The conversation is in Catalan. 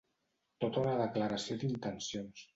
Tota una declaració d'intencions.